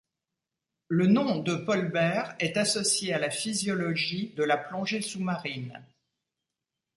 Le nom de Paul Bert est associé à la physiologie de la plongée sous-marine.